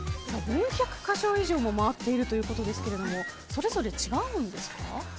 ４００か所以上も回っているということですがそれぞれ違うんですか？